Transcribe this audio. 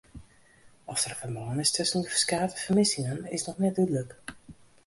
Oft der in ferbân is tusken de ferskate fermissingen is noch net dúdlik.